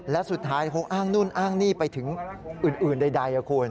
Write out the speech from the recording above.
และสุดท้ายคงอ้างนู่นอ้างนี่ไปถึงอื่นใดคุณ